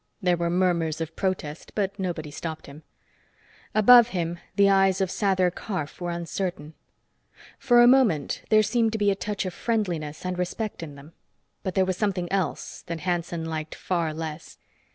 There were murmurs of protest, but nobody stopped him. Above him, the eyes of Sather Karf were uncertain. For a moment, there seemed to be a touch of friendliness and respect in them, but there was something else that Hanson liked far less.